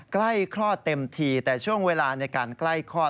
คลอดเต็มทีแต่ช่วงเวลาในการใกล้คลอด